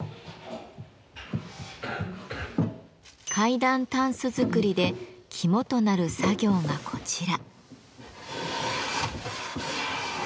階段たんす作りで肝となる作業がこちら。